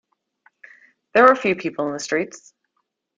There were few people in the streets.